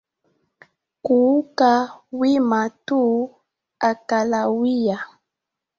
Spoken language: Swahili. Kuuka wima tu akalawia.